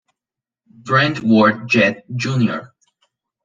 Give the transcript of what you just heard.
Brent Ward Jett, Jr.